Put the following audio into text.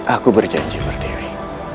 aku berjanji bertiwi